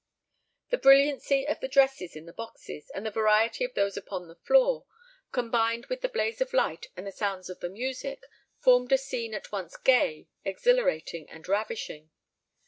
The brilliancy of the dresses in the boxes, and the variety of those upon the floor, combined with the blaze of light and the sounds of the music, formed a scene at once gay, exhilarating, and ravishing.